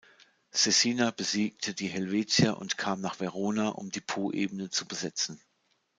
Caecina besiegte die Helvetier und kam nach Verona, um die Poebene zu besetzen.